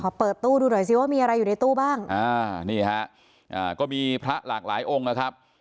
เปิดตู้ดูหน่อยซิว่ามีอะไรอยู่ในตู้บ้างอ่านี่ฮะอ่าก็มีพระหลากหลายองค์นะครับ